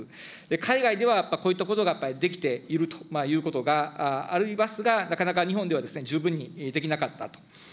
海外ではやっぱりこういったことができているということがありますが、なかなか日本では十分にできなかったと。